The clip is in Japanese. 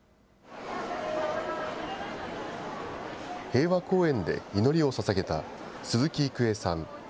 平和公園で祈りをささげた鈴木郁江さん